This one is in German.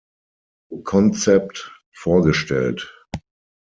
Concept" vorgestellt.